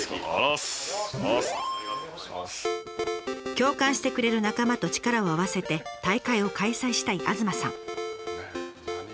共感してくれる仲間と力を合わせて大会を開催したい東さん。